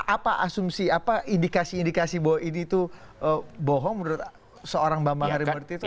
apa asumsi apa indikasi indikasi bahwa ini tuh bohong menurut seorang bambang harimurtito